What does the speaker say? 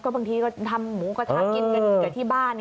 บางทีก็ทำหมูกระทะกินกันกับที่บ้าน